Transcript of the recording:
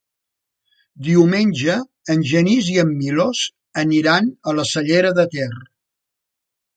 Diumenge en Genís i en Milos aniran a la Cellera de Ter.